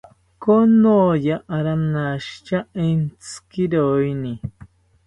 Konoya ranashita entzikiroini